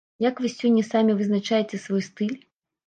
Як вы сёння самі вызначаеце свой стыль?